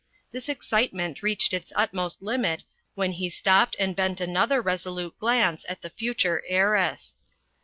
This excitement reached its utmost limit when he stopped and bent another resolute glance at the future heiress.